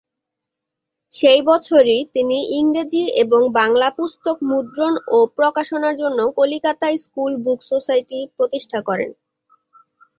সেই বছরই তিনি ইংরেজি এবং বাংলা পুস্তক মুদ্রণ ও প্রকাশনার জন্য ‘কলিকাতা স্কুল বুক সোসাইটি’ প্রতিষ্ঠা করেন।